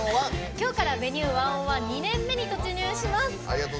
今日から「Ｖｅｎｕｅ１０１」２年目に突入します。